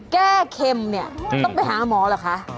แก้เค็มเนี่ยต้องไปหาหมอเหรอคะ